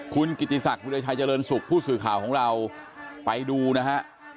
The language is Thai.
คุณกิติศักดิราชัยเจริญสุขผู้สื่อข่าวของเราไปดูนะฮะ